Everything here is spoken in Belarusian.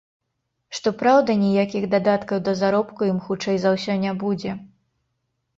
Што праўда, ніякіх дадаткаў да заробку ім хутчэй за ўсё не будзе.